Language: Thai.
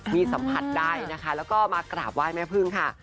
มีสัมผัสได้นะคะแล้วก็มากราบไหว้แม่พึ่งค่ะ